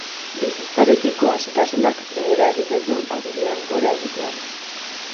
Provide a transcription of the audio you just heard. Bizitzarekiko asetasunak behera egiten du adinean gora egitean.